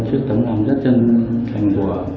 trước tấm năm rất chân thành của